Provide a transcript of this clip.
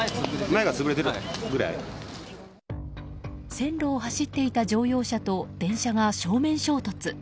線路を走っていた乗用車と電車が正面衝突。